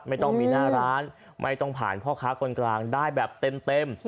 ไม่ต้องมีหน้าร้านไม่ต้องผ่านพ่อค้าคนกลางได้แบบเต็ม